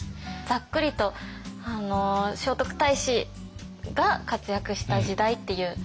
ざっくりと聖徳太子が活躍した時代っていうイメージですかね。